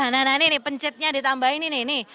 nah ini pencitnya ditambahin ini nih